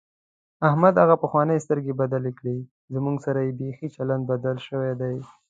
احمد هغه پخوانۍ سترګې بدلې کړې، زموږ سره یې بیخي چلند بدل شوی دی.